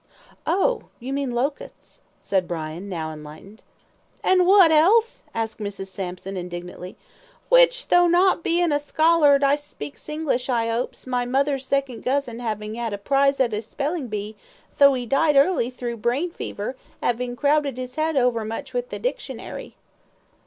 "Oh! you mean locusts," said Brian now enlightened. "An' what else?" asked Mrs. Sampson, indignantly; "which, tho' not bein' a scholar'd, I speaks English, I 'opes, my mother's second cousin 'avin' 'ad first prize at a spellin' bee, tho' 'e died early through brain fever, 'avin' crowded 'is 'ead over much with the dictionary."